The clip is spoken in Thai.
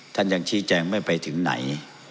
ยังชี้แจงไม่ไปถึงไหน